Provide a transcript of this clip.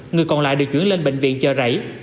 người còn lại được chuyển lên bệnh viện chợ rảy